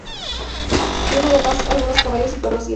Tienen además algunos caballos, perros y gatos.